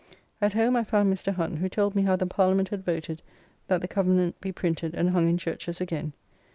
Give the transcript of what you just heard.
At home I found Mr. Hunt, who told me how the Parliament had voted that the Covenant be printed and hung in churches again.